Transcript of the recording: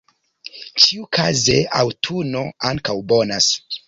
Ĉiukaze, aŭtuno ankaŭ bonas.